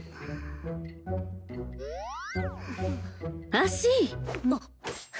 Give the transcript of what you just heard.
足！